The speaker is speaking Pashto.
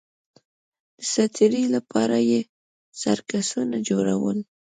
د ساتېرۍ لپاره یې سرکسونه جوړول